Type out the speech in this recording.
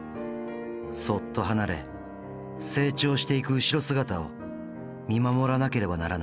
そっと離れ成長していく後ろ姿を見守らなければならない。